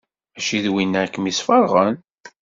Mačči d winna i kem-yesfeṛɣen?